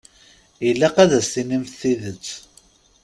Ilaq ad as-tinimt tidet.